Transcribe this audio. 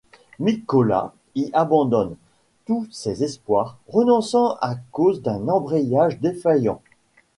Mikkola y abandonne tous ses espoirs, renonçant à cause d'un embrayage défaillant.